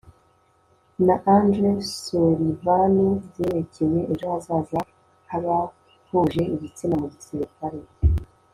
na andrew sullivan zerekeye ejo hazaza h'abahuje ibitsina mu gisirikare